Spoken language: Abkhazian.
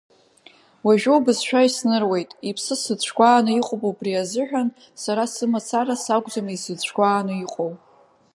Уажәы убасшәа исныруеит, иԥсы сыцәгәааны иҟоуп убри азыҳәан, сара сымацара сакәӡам изыцәгәааны иҟоу.